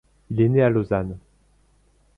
Il est né à Lausanne.